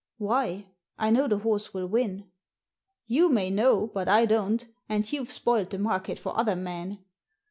Why? I know the horse will win." " You may know, but I don't, and you've spoilt the market for other men."